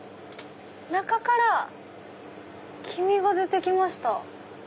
中から黄身が出て来ました。